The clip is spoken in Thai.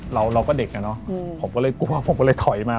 เราก็เด็กอ่ะเนอะผมก็เลยกลัวผมก็เลยถอยมา